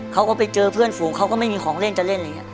เขาก็ไปเจอเพื่อนฝูงเขาก็ไม่มีของเล่นจะเล่นอะไรอย่างนี้